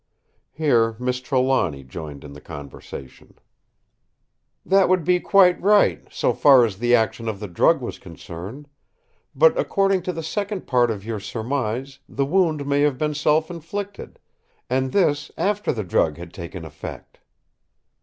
Here Miss Trelawny joined in the conversation: "That would be quite right, so far as the action of the drug was concerned; but according to the second part of your surmise the wound may have been self inflicted, and this after the drug had taken effect."